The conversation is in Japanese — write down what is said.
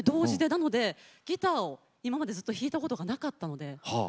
なのでギターを今までずっと弾いたことがなかったので。